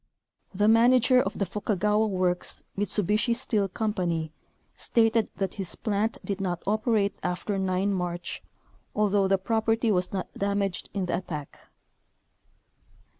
The manager of the Fukagawa works, Mitsubishi Steel company, stated that his plant did not operate after 9 March, although the property was not damaged in the attack.